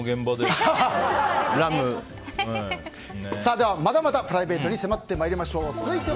では、まだまだプライベートに迫ってまいりましょう。